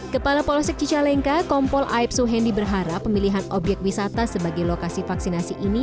kepala polosek cicalengka kompol aip suhendi berharap pemilihan objek wisata sebagai lokasi vaksinasi ini